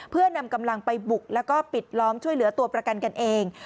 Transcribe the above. เพื่อนำกำลังไปบุกแล้วก็ปิดล้อมช่วยเหลือตัวประกันกันเอง